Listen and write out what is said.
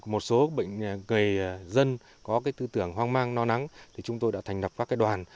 một số bệnh người dân có tư tưởng hoang mang no nắng chúng tôi đã thành lập các đoàn